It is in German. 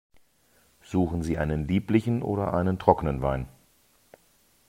Suchen Sie einen lieblichen oder einen trockenen Wein?